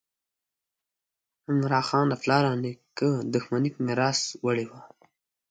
عمراخان له پلار او نیکه دښمني په میراث وړې وه.